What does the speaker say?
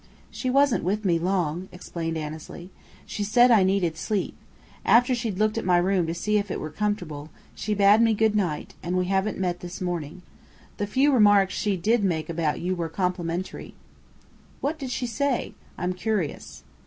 "She wasn't with me long," explained Annesley. "She said I needed sleep. After she'd looked at my room to see if it were comfortable, she bade me 'good night,' and we haven't met this morning. The few remarks she did make about you were complimentary." "What did she say? I'm curious."